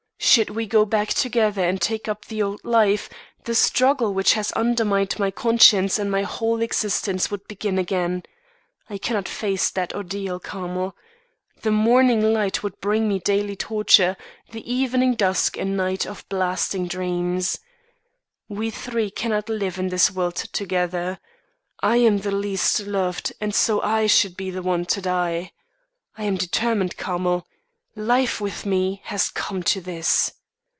Should we go back together and take up the old life, the struggle which has undermined my conscience and my whole existence would only begin again. I cannot face that ordeal, Carmel. The morning light would bring me daily torture, the evening dusk a night of blasting dreams. We three cannot live in this world together. I am the least loved and so I should be the one to die. I am determined, Carmel. Life, with me, has come to this.